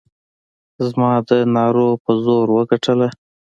زما د نعرې په زور وګټله.